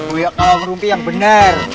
oh ya kalau ngerumpi yang benar